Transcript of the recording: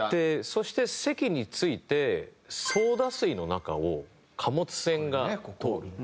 そして席に着いて「ソーダ水の中を貨物船がとおる」って。